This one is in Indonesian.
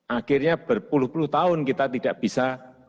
akhirnya berpuluh puluh tahun kita tidak bisa